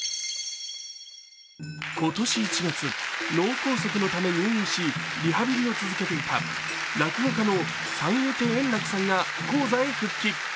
今年１月、脳梗塞のため入院しリハビリを続けていた落語家の三遊亭円楽さんが高座へ復帰。